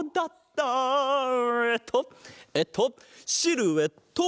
えっとえっとシルエット！